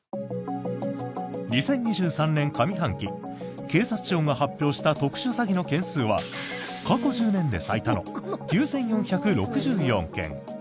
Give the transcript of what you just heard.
２０２３年上半期警察庁が発表した特殊詐欺の件数は過去１０年で最多の９４６４件。